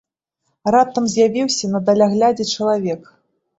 Раптам з'явіўся на даляглядзе чалавек.